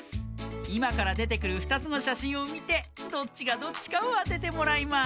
いまからでてくる２つのしゃしんをみてどっちがどっちかをあててもらいます！